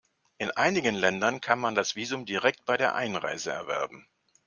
In einigen Ländern kann man das Visum direkt bei der Einreise erwerben.